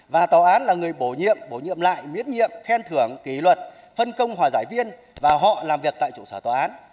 và tòa án là người bổ nhiệm bổ nhiệm lại miễn nhiệm khen thưởng kỷ luật phân công hòa giải viên và họ làm việc tại trụ sở tòa án